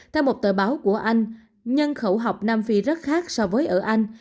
theo một tờ báo của anh nhân khẩu học nam phi rất khác so với ở anh